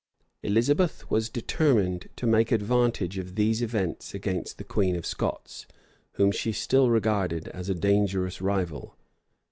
} Elizabeth was determined to make advantage of these events against the queen of Scots, whom she still regarded as a dangerous rival.